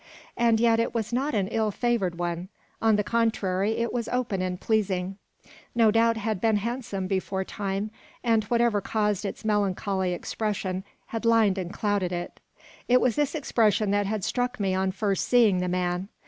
And vet it was not an ill favoured one. On the contrary, it was open and pleasing; no doubt had been handsome beforetime, and whatever caused its melancholy expression had lined and clouded it. It was this expression that had struck me on first seeing the man.